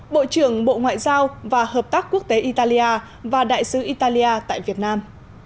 bộ trưởng bộ ngoại giao và hợp tác quốc tế italia và đại sứ italia tại việt nam